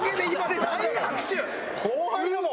後輩だもん。